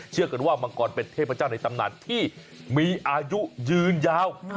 กันว่ามังกรเป็นเทพเจ้าในตำนานที่มีอายุยืนยาว